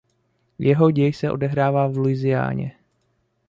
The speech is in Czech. Jeho děj se odehrává v Louisianě.